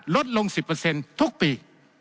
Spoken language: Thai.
ลดลง๑๐ทุกปี